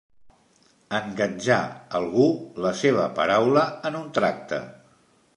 Engatjar, algú, la seva paraula en un tracte.